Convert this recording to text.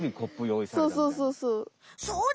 そうそうそうそう。